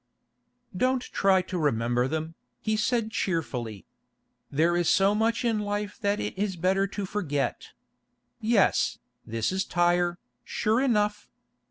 "Don't try to remember them," he said cheerfully. "There is so much in life that it is better to forget. Yes, this is Tyre, sure enough.